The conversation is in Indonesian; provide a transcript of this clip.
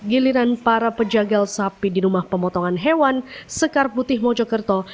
giliran para pejagal sapi di rumah pemotongan hewan sekar putih mojokerto